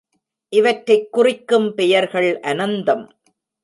இவற்றைக் குறிக்கும் பெயர்கள் அனந்தம்.